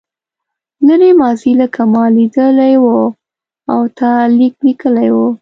لرې ماضي لکه ما لیدلې وه او تا لیک لیکلی و.